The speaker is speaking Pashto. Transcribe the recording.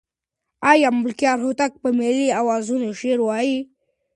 آیا ملکیار هوتک په ملي اوزانو شعر وایه؟